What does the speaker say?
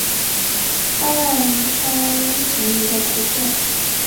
阿曼蛙蟾鱼的图片